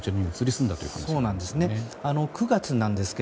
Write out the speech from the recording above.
そうなんですね。